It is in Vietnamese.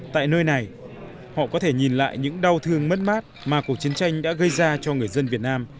tại nơi này họ có thể nhìn lại những đau thương mất mát mà cuộc chiến tranh đã gây ra cho người dân việt nam